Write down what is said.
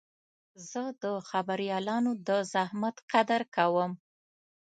زه د خبریالانو د زحمت قدر کوم.